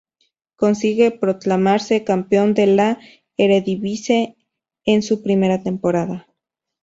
Consigue proclamarse campeón de la Eredivisie en su primera temporada.